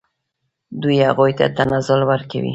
دوی هغوی ته تنزل ورکوي.